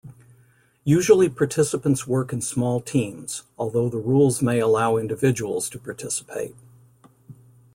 Usually participants work in small teams, although the rules may allow individuals to participate.